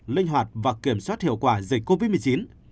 linh hoạt và kiểm soát hiệu quả dịch covid một mươi chín